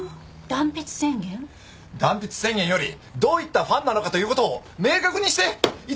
断筆宣言よりどういったファンなのかという事を明確にしていただかないと！